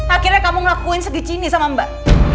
akhirnya kamu ngelakuin segi sini sama mbak